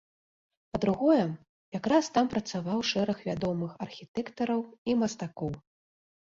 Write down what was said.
Па-другое, якраз там працаваў шэраг вядомых архітэктараў і мастакоў.